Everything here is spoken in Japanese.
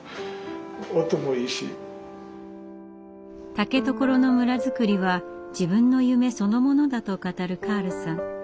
竹所の村づくりは自分の夢そのものだと語るカールさん。